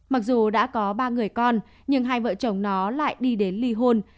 mặc dù đã có ba người con nhưng hai vợ chồng nó lại đi đến ly hôn